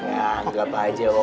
ya gapa aja wak